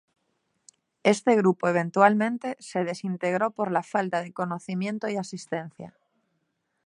Este grupo eventualmente se desintegró por la falta de conocimiento y asistencia.